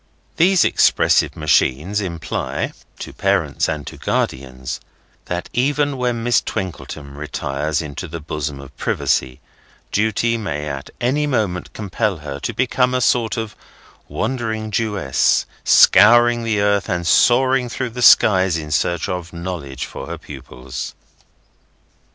These expressive machines imply (to parents and guardians) that even when Miss Twinkleton retires into the bosom of privacy, duty may at any moment compel her to become a sort of Wandering Jewess, scouring the earth and soaring through the skies in search of knowledge for her pupils.